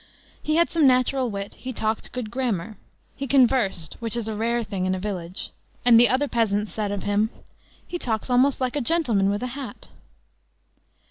He had some natural wit; he talked good grammar; he conversed, which is a rare thing in a village; and the other peasants said of him: "He talks almost like a gentleman with a hat."